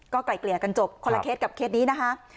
ไกลเกลี่ยกันจบคนละเคสกับเคสนี้นะคะ